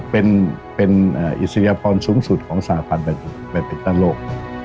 เพราะเป็นอิสริยพรสูงสุดของสาพันธ์เบมตั้นโลก